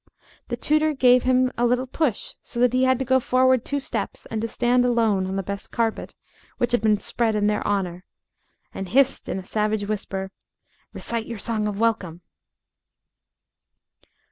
The tutor gave him a little push so that he had to go forward two steps and to stand alone on the best carpet, which had been spread in their honor, and hissed in a savage whisper "Recite your song of welcome."